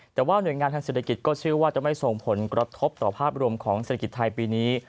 แต่ว่าหน่วยงานทางเศรษฐกิจก็เชื่อว่าจะไม่ส่งผลกระทบต่อภาพรวมของเศรษฐกิจไทยปีนี้